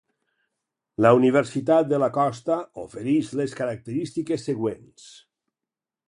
La Universitat de la Costa oferix les característiques següents.